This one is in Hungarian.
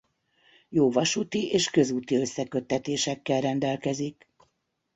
Jó vasúti és közúti összeköttetésekkel rendelkezik.